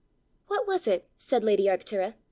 "What was it?" said lady Arctura.